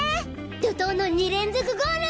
怒濤の２連続ゴール！